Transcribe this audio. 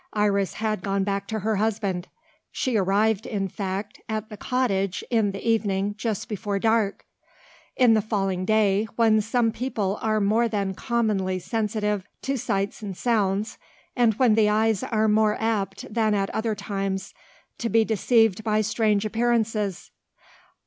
Iris had gone back to her husband. She arrived, in fact, at the cottage in the evening just before dark in the falling day, when some people are more than commonly sensitive to sights and sounds, and when the eyes are more apt than at other times to be deceived by strange appearances.